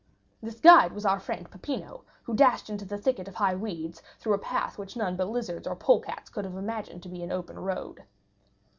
This guide was our friend Peppino, who dashed into the thicket of high weeds, through a path which none but lizards or polecats could have imagined to be an open road.